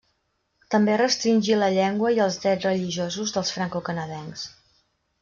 També restringí la llengua i els drets religiosos dels francocanadencs.